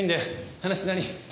話って何？